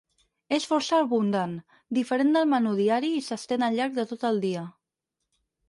És força abundant, diferent del menú diari i s'estén al llarg de tot el dia.